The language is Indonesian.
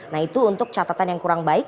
nah itu untuk catatan yang kurang baik